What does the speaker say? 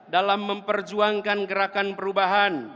dalam memperjuangkan gerakan perubahan